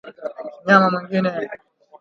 mnyama mwingine